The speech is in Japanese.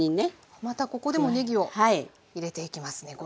またここでもねぎを入れていきますね。